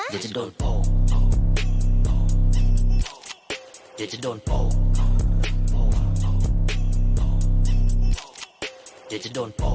เด็กดื้อต้องโดนเลยค่ะ